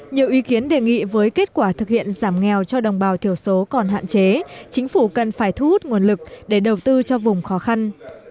nhiều ý kiến đề nghị với kết quả thực hiện giảm nghèo cho đồng bào thiểu số còn hạn chế chính phủ cần phải thu hút nguồn lực để đầu tư cho vùng khó khăn